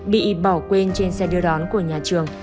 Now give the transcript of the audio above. bị bỏ quên trên xe đưa đón của nhà trường